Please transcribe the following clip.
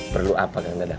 perlu apa kang dadang